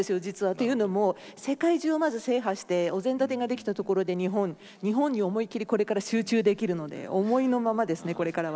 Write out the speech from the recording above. っていうのも、世界中をまず制覇してお膳立てができたところで日本に思い切り集中できるので思いのままですね、これから。